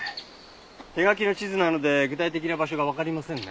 手描きの地図なので具体的な場所がわかりませんね。